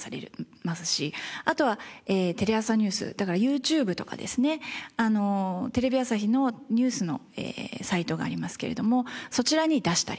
あとはテレ朝ｎｅｗｓだからＹｏｕＴｕｂｅとかですねテレビ朝日のニュースのサイトがありますけれどもそちらに出したりとか。